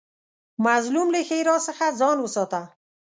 مظلوم له ښېرا څخه ځان وساته